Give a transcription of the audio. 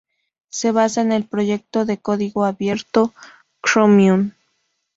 Se basa en el proyecto de código abierto Chromium.